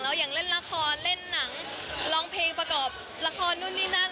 อย่างเล่นละครเล่นหนังร้องเพลงประกอบละครนู่นนี่นั่น